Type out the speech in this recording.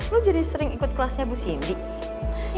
lo jadi sering ikut kelasnya bu sindi